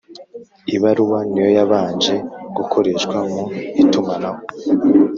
ibaruwa ni yo yabanje gukoreshwa mu itumanaho